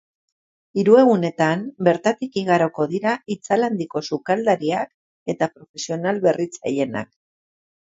Hiru egunetan bertatik igaroko dira itzal handiko sukaldariak eta profesional berritzaileenak.